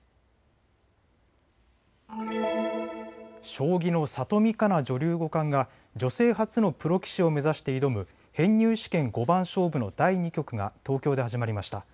将棋の里見香奈女流五冠が女性初のプロ棋士を目指して挑む編入試験五番勝負の第２局が東京で始まりました。